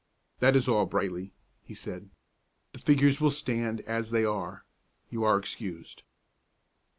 "That is all, Brightly," he said. "The figures will stand as they are. You are excused."